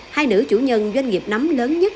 hai nữ chủ nhân doanh nghiệp nấm lớn nhất